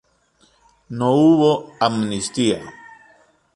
No hubo amnistía.